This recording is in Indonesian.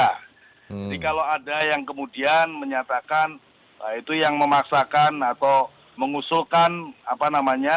jadi kalau ada yang kemudian menyatakan itu yang memaksakan atau mengusulkan apa namanya